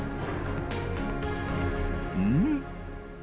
うん？